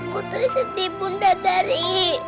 putri sedih bunda dari